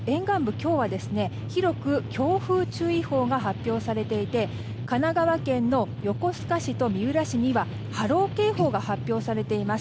今日は広く強風注意報が発表されていて神奈川県の横須賀市と三浦市には波浪警報が発表されています。